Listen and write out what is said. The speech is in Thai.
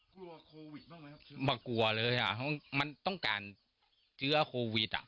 เกลียวโควิดว่าไหมเหรอไม่กลัวเลยอ่ะมันต้องการเชื้อโควิดอะ